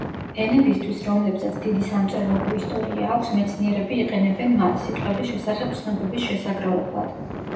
ენებისთვის, რომლებსაც დიდი სამწერლობო ისტორია აქვს, მეცნიერები იყენებენ მათ, სიტყვების შესახებ ცნობების შესაგროვებლად.